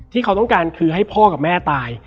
ที่เขาต้องการคือให้พ่อกับแม่ตาย